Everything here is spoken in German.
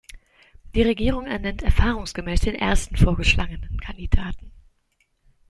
Die Regierung ernennt erfahrungsgemäß den ersten vorgeschlagenen Kandidaten.